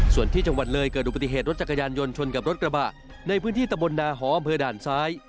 ส่วนที่จังหวัดเลยเกิดอุบัติเหตุรถจักรยานยนต์ชนกับรถกระบะในพื้นที่ตะบนนาหออำเภอด่านซ้าย